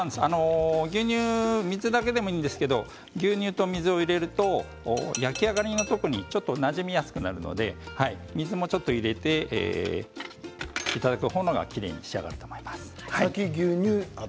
牛乳、水だけでもいいんですが両方、入れると焼き上がりが特になじみやすくなるので水もちょっと入れていただく方がきれいに仕上がると思います。